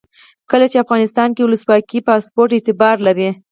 کله چې افغانستان کې ولسواکي وي پاسپورټ اعتبار لري.